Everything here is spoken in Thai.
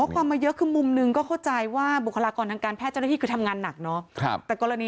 ความมาเยอะคือมุมหนึ่งก็เข้าใจว่าบุคลากรทางการแพทย์เจ้าหน้าที่คือทำงานหนักเนาะ